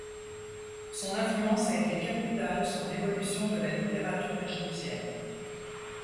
Son influence a été capitale sur l'évolution de la littérature égyptienne.